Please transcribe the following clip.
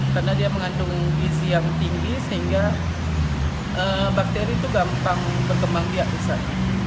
karena dia mengandung gizi yang tinggi sehingga bakteri itu gampang berkembang biak rusak